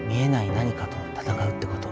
何かと闘うってこと。